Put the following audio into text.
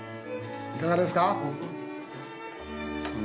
いかがですか？